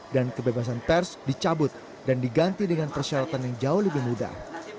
dan kebebasan pers dicabut dan diganti dengan persyaratan yang jauh lebih mudah